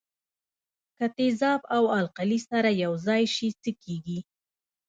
که تیزاب او القلي سره یوځای شي څه کیږي.